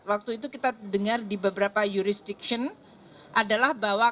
waktu itu kita dengar di beberapa jurisdiction adalah bahwa